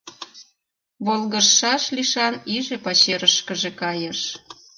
Волгыжшаш лишан иже пачерышкыже кайыш.